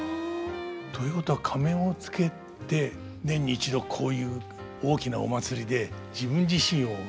ということは仮面をつけて年に一度こういう大きなお祭りで自分自身を変えるということが。